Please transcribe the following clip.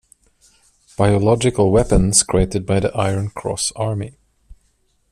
Biological weapons created by the Iron Cross Army.